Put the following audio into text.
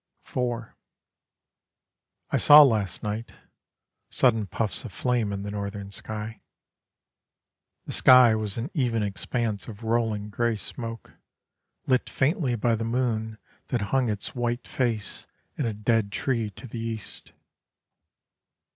IV I saw last night Sudden puffs of flame in the northern sky. The sky was an even expanse of rolling grey smoke, Lit faintly by the moon that hung Its white face in a dead tree to the east.